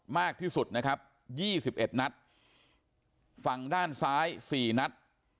มากที่สุดนะครับยี่สิบเอ็ดนัดฝั่งด้านซ้ายสี่นัด